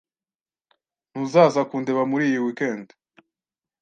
Ntuzaza kundeba muri iyi weekend?